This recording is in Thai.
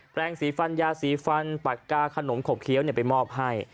แรงสีฟันยาสีฟันปากกาขนมขบเคี้ยวไปมอบให้